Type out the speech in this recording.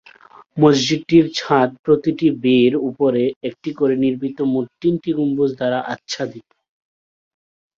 মসজিদটির ছাদ প্রতিটি ‘বে’-র উপরে একটি করে নির্মিত মোট তিনটি গম্বুজ দ্বারা আচ্ছাদিত।